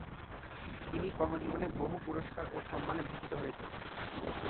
তিনি কর্মজীবনে বহু পুরস্কার ও সম্মানে ভূষিত হয়েছেন।